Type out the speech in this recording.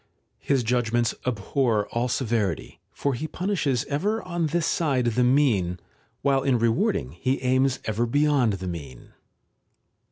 His judgements abhor all severity, for he punishes ever on this side the mean, while in rewarding he aims ever beyond the mean.